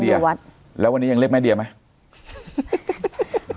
แล้ววันนี้หรือยังเรียกแม่เดียไหม